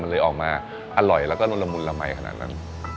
มันเลยออกมาอร่อยแล้วก็นุนละมุนละมัยขนาดนั้น